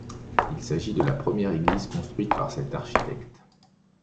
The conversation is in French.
Il s'agit de la première église construite par cet architecte.